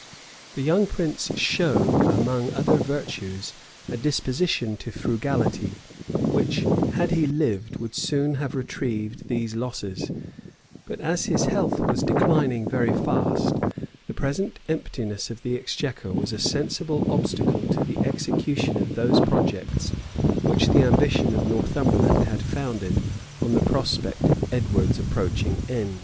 The young prince showed, among other virtues, a disposition to frugality, which, had he lived, would soon have retrieved these losses; but as his health was declining very fast, the present emptiness of the exchequer was a sensible obstacle to the execution of those projects which the ambition of Northumberland had founded on the prospect of Edward's approaching end.